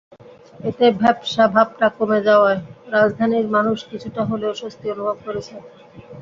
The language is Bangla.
এতে ভ্যাপসা ভাবটা কমে যাওয়ায় রাজধানীর মানুষ কিছুটা হলেও স্বস্তি অনুভব করেছে।